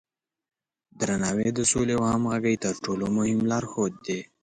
درناوی د سولې او همغږۍ تر ټولو مهم لارښود دی.